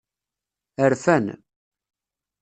Rfan.